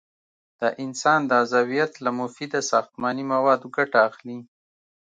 د انسان د عضویت له مفیده ساختماني موادو ګټه اخلي.